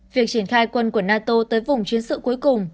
việc triển khai quân của nato tới vùng chiến sự cuối cùng